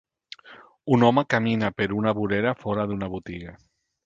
Un home camina per una vorera fora d'una botiga.